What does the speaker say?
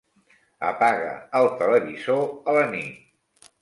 Apaga el televisor a la nit.